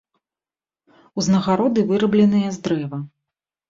Узнагароды вырабленыя з дрэва.